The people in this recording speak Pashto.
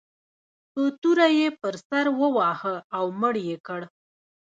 په توره یې پر سر وواهه او مړ یې کړ.